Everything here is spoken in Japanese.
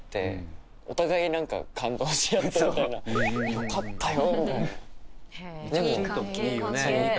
よかったよ。